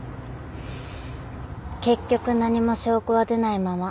結局何も証拠は出ないまま。